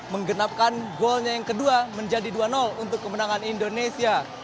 menggenapkan golnya yang kedua menjadi dua untuk kemenangan indonesia